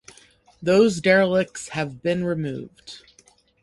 Those derelicts have been removed.